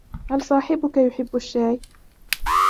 هل صاحبك يحب الشاي ؟